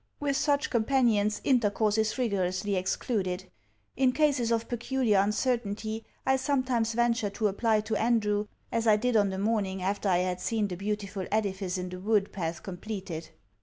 With such companions intercourse is rigorously excluded. In cases of peculiar uncertainty, I sometimes venture to apply to Andrew, as I did on the morning after I had seen the beautiful edifice in the wood path completed.